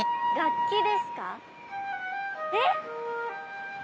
えっ？